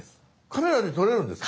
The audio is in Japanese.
カメラで撮れるんですか？